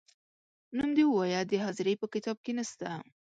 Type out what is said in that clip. نوم دي ووایه د حاضرۍ په کتاب کې نه سته ،